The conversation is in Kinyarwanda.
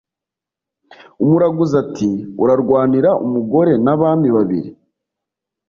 umuraguzi ati"urarwanira umugore nabami babiri